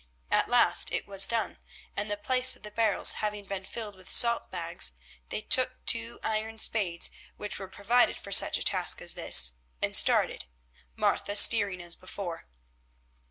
At last it was done, and the place of the barrels having been filled with salt bags, they took two iron spades which were provided for such a task as this, and started, Martha steering as before.